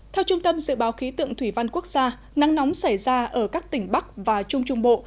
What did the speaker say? theo trung tâm dự báo khí tượng thủy văn quốc gia nắng nóng xảy ra ở các tỉnh bắc và trung trung bộ